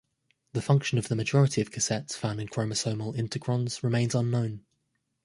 The function of the majority of cassettes found in chromosomal integrons remains unknown.